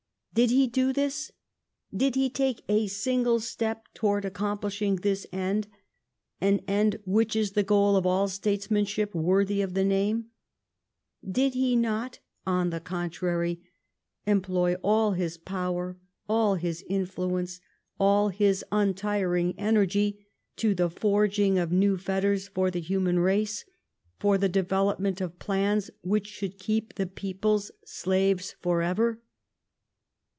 Did he do this ? Did he take a single step towards accomplishing this end — an end which is the goal of all statesmanship worthy of the name ? Did he not, on the contrary, em])loy all his power, all his influence, all his untiring energy, to the forging of new fetters for the human race ; for the development of plans which should keej) the peoj)lcs slaves for ever